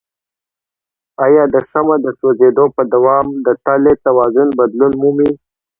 آیا د شمع د سوځیدو په دوام د تلې توازن بدلون مومي؟